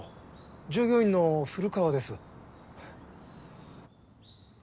従業員の古川です。